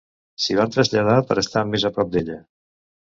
S'hi van traslladar per estar més a prop d'ella.